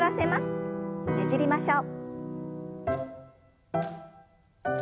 ねじりましょう。